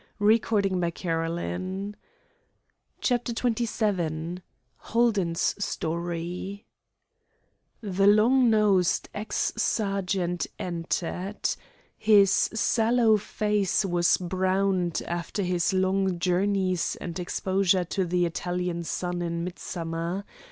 Holden," announced Smith. CHAPTER XXVII HOLDEN'S STORY The long nosed ex sergeant entered. His sallow face was browned after his long journeys and exposure to the Italian sun in midsummer.